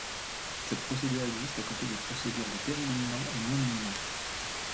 Cette procédure existe à côté des procédures de péril imminent et non imminent.